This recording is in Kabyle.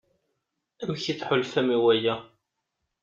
Amek i tḥulfam i waya?